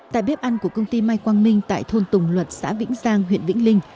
tại bếp ăn của công ty mai quang minh tại thôn tùng luật xã vĩnh giang huyện vĩnh linh